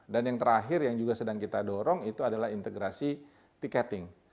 dan yang terakhir yang juga sedang kita dorong itu adalah integrasi ticketing